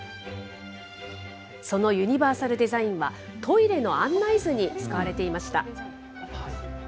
そのユニバーサルデザインは、トイレの案内図に使われていました。